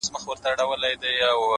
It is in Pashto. غواړم د پېړۍ لپاره مست جام د نشیې ;